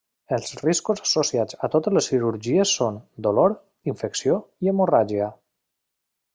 Els riscos associats a totes les cirurgies són: dolor, infecció i hemorràgia.